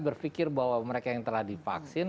berpikir bahwa mereka yang telah divaksin